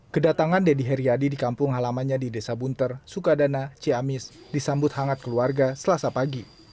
kedatangan deddy heriadi di kampung halamannya di desa bunter sukadana ciamis disambut hangat keluarga selasa pagi